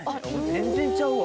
全然ちゃうわ。